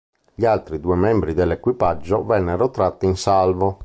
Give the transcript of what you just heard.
Gli altri due membri dell'equipaggio vennero tratti in salvo.